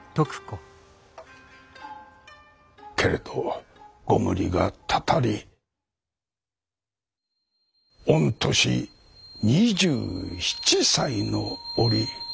けれどご無理がたたり御年２７歳の折。